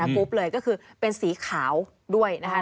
กรุ๊ปเลยก็คือเป็นสีขาวด้วยนะคะ